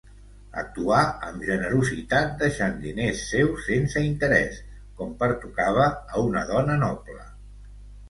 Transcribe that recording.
Actuà amb generositat deixant diners seus sense interès, com pertocava a una dona noble.